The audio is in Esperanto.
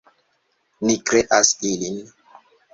Ni kreas ilin!